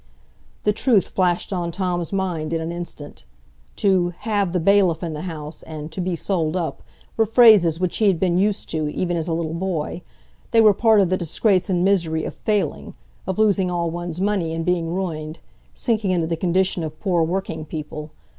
The truth flashed on Tom's mind in an instant. To "have the bailiff in the house," and "to be sold up," were phrases which he had been used to, even as a little boy; they were part of the disgrace and misery of "failing," of losing all one's money, and being ruined,—sinking into the condition of poor working people.